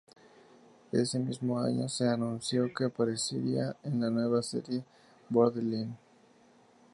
Ese mismo año se anunció que aparecería en la nueva serie "Borderline".